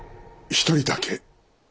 １人だけ。